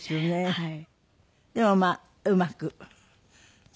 はい。